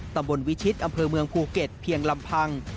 ตำบลวิชิตอำเภอเมืองภูเก็ตเพียงลำพัง